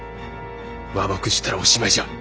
和睦したらおしまいじゃ。